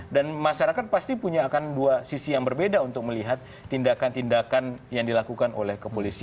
dan masyarakat pasti punya akan dua sisi yang berbeda untuk melihat tindakan tindakan yang dilakukan oleh